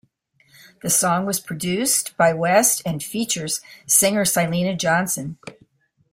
The song was produced by West and features singer Syleena Johnson.